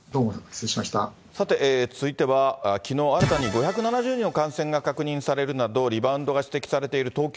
さて、続いては、きのう新たに５７０人の感染が確認されるなど、リバウンドが指摘されている東京。